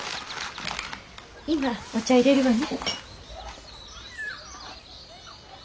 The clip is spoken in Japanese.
今お茶入れるわね。